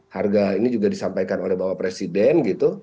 harga ini juga disampaikan oleh bapak presiden